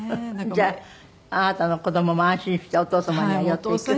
じゃああなたの子どもも安心してお父様には寄っていく？